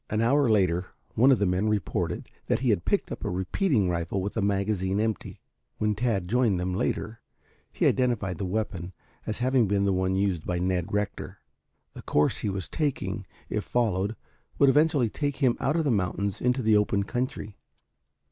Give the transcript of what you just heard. An hour later one of the men reported that he had picked up a repeating rifle with the magazine empty. When Tad joined them later, he identified the weapon as having been the one used by Ned Rector. The course he was taking, if followed, would eventually take him out of the mountains into the open country.